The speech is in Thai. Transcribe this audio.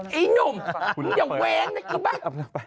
ไอ้หนุ่มเดี๋ยวเวง